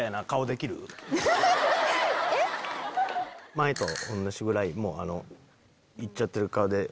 前と同じぐらいいっちゃってる顔で。